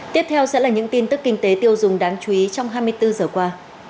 tiếp theo sẽ là những tin tức kinh tế tiêu dùng đáng chú ý trong hai mươi bốn giờ qua